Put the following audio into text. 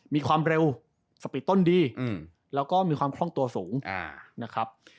มีความเร็วสปีดต้นดีแล้วก็มีความคล่องตัวสูงนะครับ